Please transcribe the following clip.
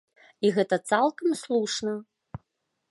І гэта цалкам слушна.